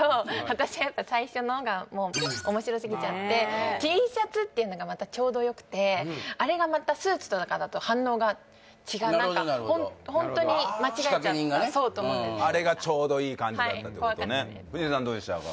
私やっぱ最初のが面白すぎちゃってＴシャツっていうのがまたちょうどよくてあれがまたスーツとかだと反応が違うなるほどなるほどホントに間違えちゃったあれがちょうどいい感じだったってことね藤井さんどうでしたか？